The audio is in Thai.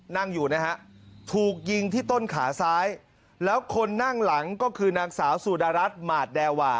นั่งอยู่นะฮะถูกยิงที่ต้นขาซ้ายแล้วคนนั่งหลังก็คือนางสาวสุดารัฐหมาดแดวา